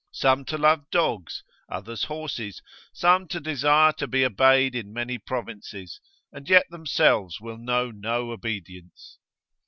Some to love dogs, others horses, some to desire to be obeyed in many provinces, and yet themselves will know no obedience.